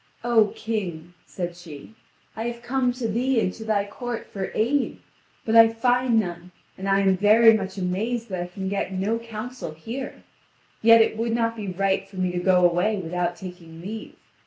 "O King," said she, "I have come to thee and to thy court for aid. But I find none, and I am very much mazed that I can get no counsel here. Yet it would not be right for me to go away without taking leave.